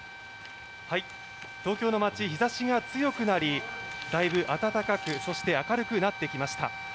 東京の街、日ざしが強くなりだいぶ暖かくそして明るくなってきました。